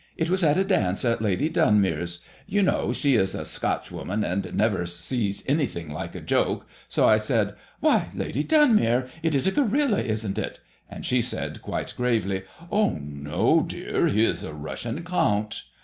It was at a dance at Lady Dunmere's. You know ^ If ADEMOIS£LLB IXK 69 she is a Scotchwoman, and never sees anything like a joke, so I said, *Why, Lady Dunmere, it is a gorilla, isn't it ?' and she said, quite gravely, * Oh, noji^ dear; he is a Russian Count.'